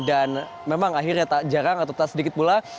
dan memang akhirnya jarang atau sedikit pula